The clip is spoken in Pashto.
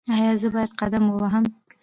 ایا زه باید قدم ووهم؟